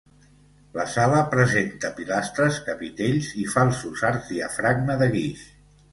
La sala presenta pilastres, capitells i falsos arcs diafragma de guix.